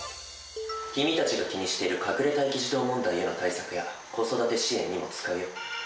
君たちが気にしている隠れ待機児童問題への対策や子育て支援にも使うよ。